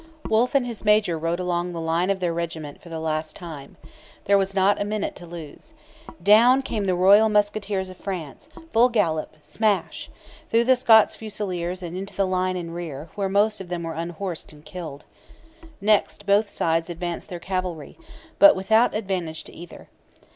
Wolfe and his major rode along the line of their regiment for the last time. There was not a minute to lose. Down came the Royal Musketeers of France, full gallop, smash through the Scots Fusiliers and into the line in rear, where most of them were unhorsed and killed. Next, both sides advanced their cavalry, but without advantage to either.